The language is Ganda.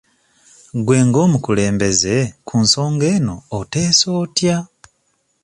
Gwe ng'omukulembeze ku nsonga eno oteesa otya?